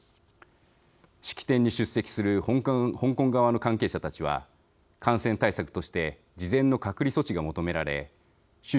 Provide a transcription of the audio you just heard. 式典に出席する香港側の関係者たちは感染対策として事前の隔離措置が求められ習